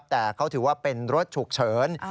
แต่เขาถือว่าเป็นรถฉุกเฉิน